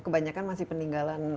kebanyakan masih peninggalan